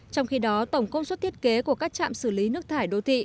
trong khi đó tổng công suất thiết kế của các trạm xử lý nước thải đô thị